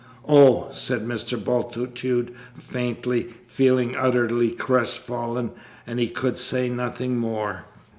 "Oh!" said Mr. Bultitude faintly, feeling utterly crestfallen and he could say nothing more.